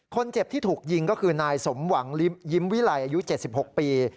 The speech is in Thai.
คนเจ็บที่ถูกยิงก็คือนายสมหวังยิ้มวิลัยอายุ๗๖ปี